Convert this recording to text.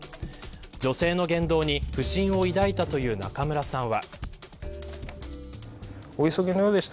女性の言動に不審を抱いたという中村さんは。